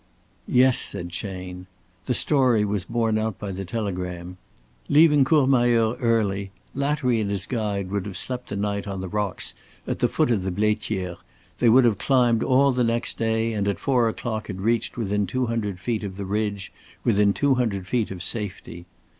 "Yes," said Chayne. The story was borne out by the telegram. Leaving Courmayeur early, Lattery and his guide would have slept the night on the rocks at the foot of the Blaitiere, they would have climbed all the next day and at four o'clock had reached within two hundred feet of the ridge, within two hundred feet of safety.